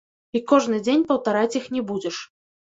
І кожны дзень паўтараць іх не будзеш.